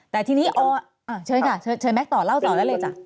แต่ทีนี้เชิญค่ะเชิญแก๊กต่อเล่าต่อได้เลยจ้ะ